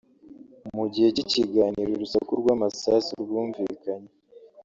Mu gihe cy’ikiganiro urusaku rw’amasasu rwumvikanye